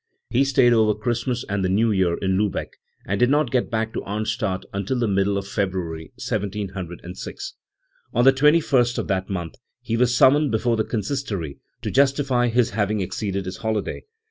He stayed over Christ mas and the New Year in Liibeck, and did not get back ^o Arnstadt until the middle of February, 1706. On the 2 1st of that month he was summoned before the Consistory, to justify his having exceeded his holiday.